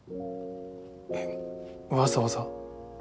えっわざわざ？